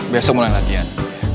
besok mulai latihan